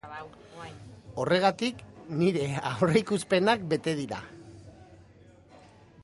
Horregatik, nire aurreikuspenak bete dira.